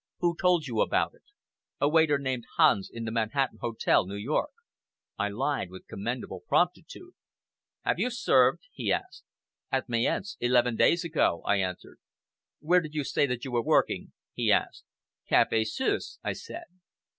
"Who told you about it?" "A waiter named Hans in the Manhattan Hotel, New York." I lied with commendable promptitude. "Have you served?" he asked. "At Mayence, eleven years ago," I answered. "Where did you say that you were working?" he asked. "Café Suisse!" I said.